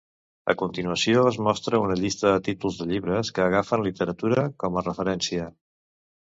A continuació es mostra una llista de títols de llibres que agafen literatura com a referència.